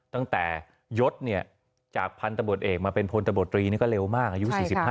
ตั้งแต่ยศเนี่ยจากพันตะบุดเอกมาเป็นพนตะบุดรีนี่ก็เร็วมากอายุ๔๕